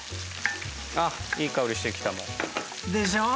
あっいい香りしてきたもう。